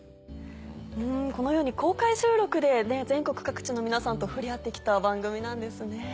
このように公開収録で全国各地の皆さんと触れ合って来た番組なんですね。